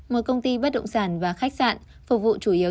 một công ty bất động sản và khách sạn phục vụ chủ yếu